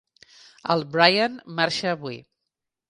El Brian marxa avui.